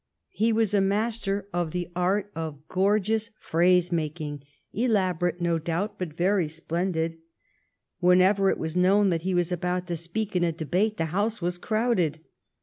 He was a master of the art of gor 200 THE STORY OF GLADSTONE'S LIFE geous phrase making, elaborate no doubt, but very splendid. Whenever it was known that he was about to speak in a debate, the House was crowded.